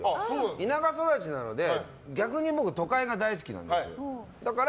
田舎育ちなので逆に都会が大好きなんですよ。